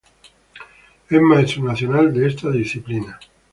Es maestro nacional de esta disciplina.